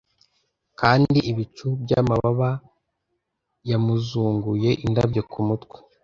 Kandi ibicu byamababa yamuzunguye indabyo kumutwe